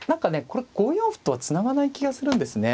これ５四歩とはつながない気がするんですね。